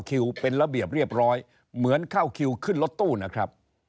คิวเป็นระเบียบเรียบร้อยเหมือนเข้าคิวขึ้นรถตู้นะครับ